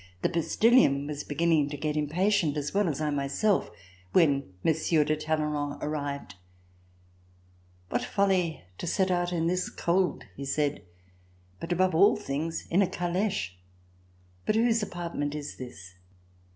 The postillion was beginning to get impatient, as well as I myself, when Monsieur de Talleyrand arrived. "What folly to set out in this cold!" he said. "And above all things, in a caleche. But whose apartment is this.?'